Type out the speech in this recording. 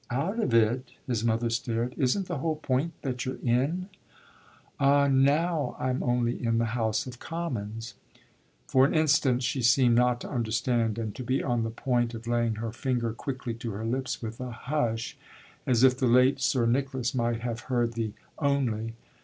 "Out of it?" His mother stared. "Isn't the whole point that you're in?" "Ah now I'm only in the House of Commons." For an instant she seemed not to understand and to be on the point of laying her finger quickly to her lips with a "Hush!" as if the late Sir Nicholas might have heard the "only."